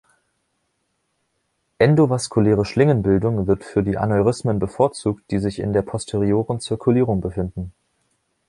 Endovaskuläre Schlingenbildung wird für Aneurysmen bevorzugt, die sich in der posterioren Zirkulierung befinden.